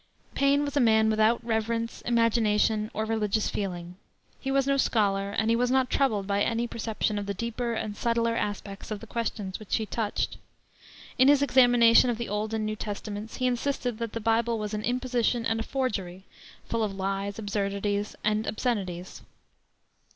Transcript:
Paine was a man without reverence, imagination, or religious feeling. He was no scholar, and he was not troubled by any perception of the deeper and subtler aspects of the questions which he touched. In his examination of the Old and New Testaments, he insisted that the Bible was an imposition and a forgery, full of lies, absurdities, and obscenities.